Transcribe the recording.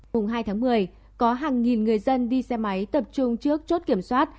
mùng hai tháng một mươi có hàng nghìn người dân đi xe máy tập trung trước chốt kiểm soát